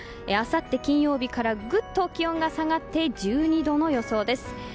明後日、金曜日からぐっと気温が下がって１２度の予想です。